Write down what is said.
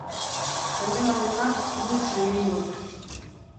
Ene lagunak mus egin du.